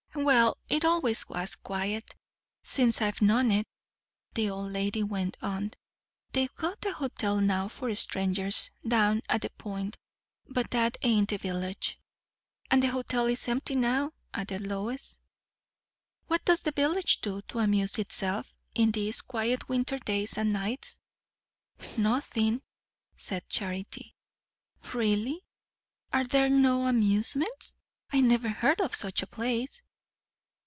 "Well, it allays was quiet, since I've known it," the old lady went on. "They've got a hotel now for strangers, down at the Point but that ain't the village." "And the hotel is empty now," added Lois. "What does the village do, to amuse itself, in these quiet winter days and nights?" "Nothing," said Charity. "Really? Are there no amusements? I never heard of such a place."